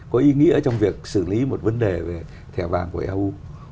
có ý nghĩa trong việc xử lý một vấn đề về thẻ vàng của eu